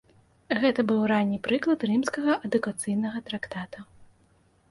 Гэта быў ранні прыклад рымскага адукацыйнага трактата.